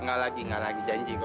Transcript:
nggak lagi nggak lagi janji pak